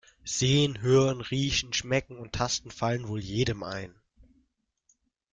Sehen, Hören, Riechen, Schmecken und Tasten fallen wohl jedem ein.